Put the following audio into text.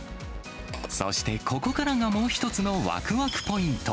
そして、ここからがもう一つのわくわくポイント。